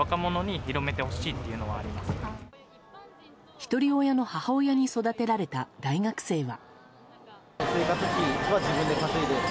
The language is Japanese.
ひとり親の母親に育てられた大学生は。